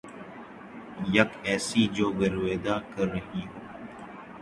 یک ایسی جو گرویدہ کر رہی ہے